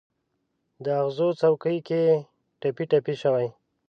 د اغزو څوکو کې ټپي، ټپي شوي